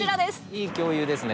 いい共有ですね